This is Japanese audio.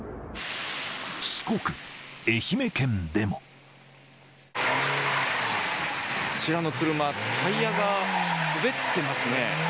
こちらの車、タイヤが滑ってますね。